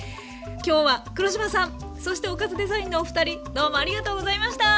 今日は黒島さんそしてオカズデザインのお二人どうもありがとうございました！